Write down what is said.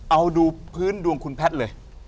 เอาดูพื้นดวงคุณแพทย์เลย